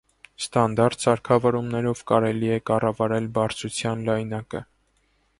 Ստանդարտ սարքավորումներով կարելի է կառավարել բարձրության լայնակը։